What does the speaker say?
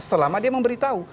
selama dia memberitahu